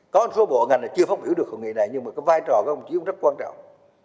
có một số bộ ngành là chưa phát biểu được hội nghị này nhưng mà cái vai trò của công chí cũng rất quan trọng